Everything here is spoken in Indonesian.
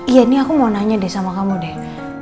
iya ini aku mau nanya deh sama kamu deh